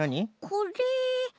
これ。